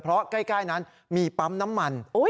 เพราะใกล้นั้นมีปั๊มน้ำมัน